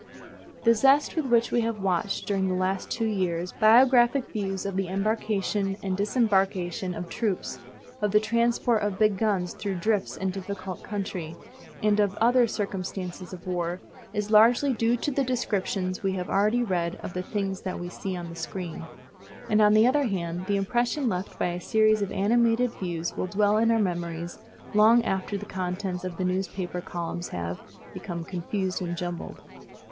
The zest with which we have watched during the last two years biographic views of the embarkation and disembarkation of troops, of the transport of big guns through drifts and difficult country, and of the other circumstances of war, is largely due to the descriptions we have already read of the things that we see on the screen. And, on the other hand, the impression left by a series of animated views will dwell in our memories long after the contents of the newspaper columns have become confused and jumbled.